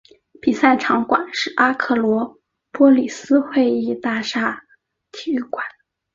比赛场馆是阿克罗波利斯会议大厦体育馆。